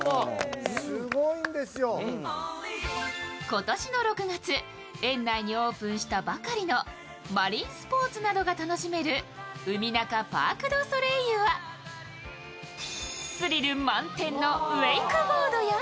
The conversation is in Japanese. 今年の６月、園内にオープンしたばかりのマリンスポーツなどが楽しめる海中パークドソレイユはスリル満点のウェイクボードや